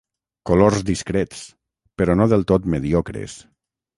Colors discrets, però no del tot mediocres.